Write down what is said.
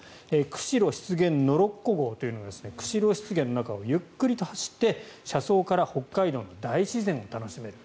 くしろ湿原ノロッコ号というのが釧路湿原の中をゆっくりと走って、車窓から北海道の大自然を楽しめる。